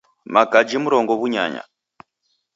Makaji mrongo w'unyanya